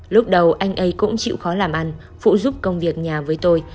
lúc đầu anh ấy cũng chịu khó làm ăn phụ giúp công việc nhà với tôi